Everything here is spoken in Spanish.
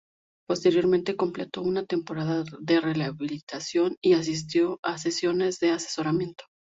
Posteriormente completó una temporada en rehabilitación y asistió a sesiones de asesoramiento.